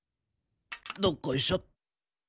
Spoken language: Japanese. どっこいしょ。